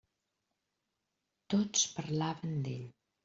Tots parlaven d'ell.